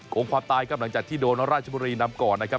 งความตายครับหลังจากที่โดนราชบุรีนำก่อนนะครับ